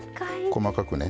細かくね。